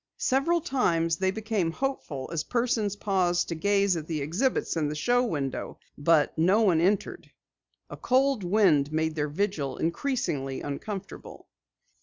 Several times they became hopeful as persons paused to gaze at the exhibits in the show window, but no one entered. A cold wind made their vigil increasingly uncomfortable.